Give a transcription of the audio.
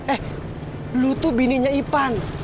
eh lu tuh bininya ipan